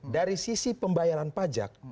dari sisi pembayaran pajak